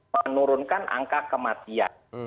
menurunkan angka kematian